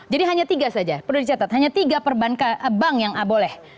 jadi hanya tiga saja perlu dicatat hanya tiga perbankan bank yang boleh